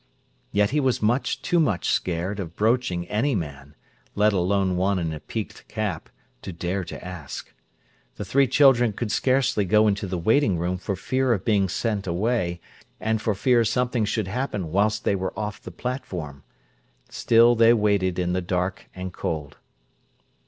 Yet he was much too much scared of broaching any man, let alone one in a peaked cap, to dare to ask. The three children could scarcely go into the waiting room for fear of being sent away, and for fear something should happen whilst they were off the platform. Still they waited in the dark and cold.